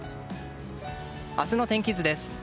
明日の天気図です。